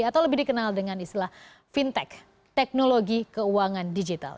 atau lebih dikenal dengan istilah fintech teknologi keuangan digital